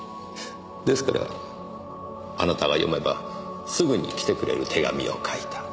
ですからあなたが読めばすぐに来てくれる手紙を書いた。